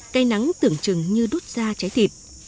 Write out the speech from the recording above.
cây nắng tưởng chừng như đút ra trái thịt